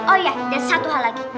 oh iya dan satu hal lagi